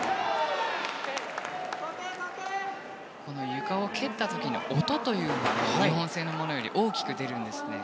ゆかを蹴った時の音というのが日本製のものよりも大きく出るんですね。